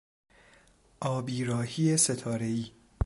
ابیراهی ستارهای